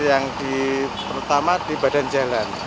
yang terutama di badan jalan